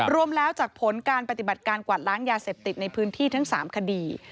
รวมแล้วจากผลการปฏิบัติการกวาดล้างยาเสพติดในพื้นที่ทั้ง๓คดี